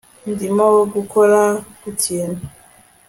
Ndimo gukora ku kintu